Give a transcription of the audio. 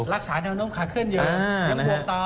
รักษาแนวนมขาขึ้นเยอะยังบวกต่อ